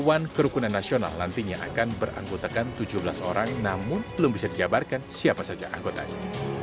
dewan kerukunan nasional nantinya akan beranggotakan tujuh belas orang namun belum bisa dijabarkan siapa saja anggotanya